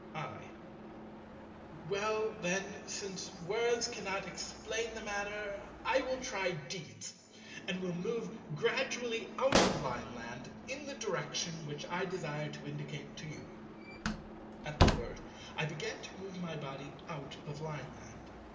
I. Well then, since words cannot explain the matter, I will try deeds, and will move gradually out of Lineland in the direction which I desire to indicate to you. At the word I began to move my body out of Lineland.